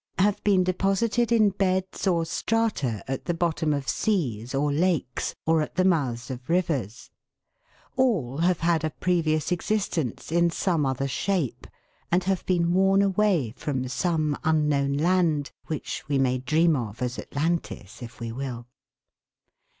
e., have been deposited in beds or strata at the bottom of seas or lakes, or at the mouths of rivers ; all have had a previous existence in some other shape, and have been worn away from some unknown land, which we may dream of as Atlantis if we will.